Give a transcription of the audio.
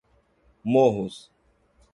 Morros